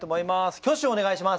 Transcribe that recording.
挙手をお願いします。